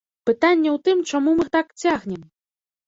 Пытанне ў тым, чаму мы так цягнем?